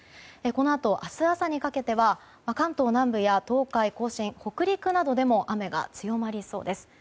このあと、明日朝にかけては関東南部から甲信北陸などでも雨が強まりそうです。